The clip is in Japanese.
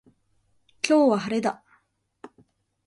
今日は晴れだ